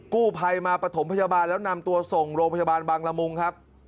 กู้ภัยมาปฐมพยาบาลแล้วนำตัวส่งโรงพยาบาลบางละมุงครับ